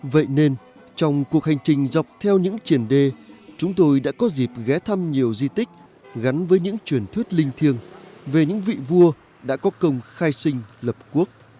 vậy nên trong cuộc hành trình dọc theo những triển đê chúng tôi đã có dịp ghé thăm nhiều di tích gắn với những truyền thuyết linh thiêng về những vị vua đã có công khai sinh lập quốc